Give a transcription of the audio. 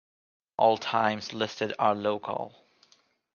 All times listed are local.